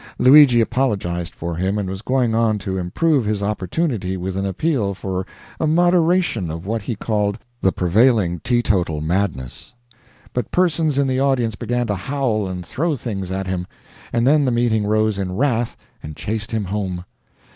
Luigi apologized for him, and was going on to improve his opportunity with an appeal for a moderation of what he called "the prevailing teetotal madness," but persons in the audience began to howl and throw things at him, and then the meeting rose in wrath and chased him home.